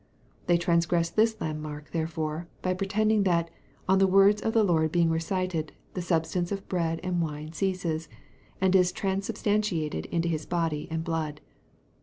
They transgress this landmark therefore by pretending that, on the words of the Lord being recited, the substance of bread and wine ceases, and is transubstantiated into his body and blood.